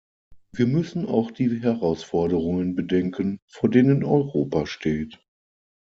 Wir müssen auch die Herausforderungen bedenken, vor denen Europa steht.